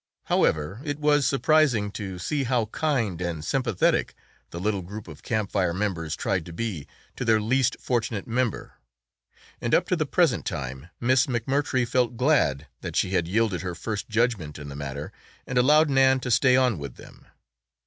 However, it was surprising to see how kind and sympathetic the little group of Camp Fire members tried to be to their least fortunate member and up to the present time Miss McMurtry felt glad that she had yielded her first judgment in the matter and allowed Nan to stay on with them.